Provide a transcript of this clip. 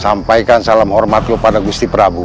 sampaikan salam hormat lo pada gusti prabu